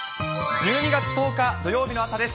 １２月１０日土曜日の朝です。